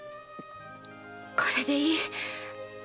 これでいい。